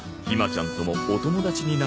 ちゃんともお友達になれたし。